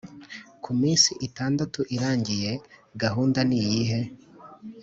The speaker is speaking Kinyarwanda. ko iminsi itandatu irangiye, gahunda niyihe?